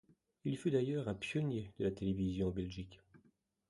Il fut d’ailleurs un pionnier de la télévision en Belgique.